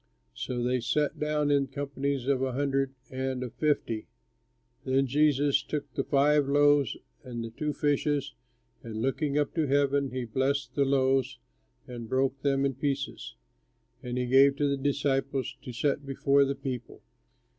So they sat down in companies of a hundred and of fifty. Then Jesus took the five loaves and the two fishes, and, looking up to heaven, he blessed the loaves, and broke them in pieces; and he gave to the disciples to set before the people.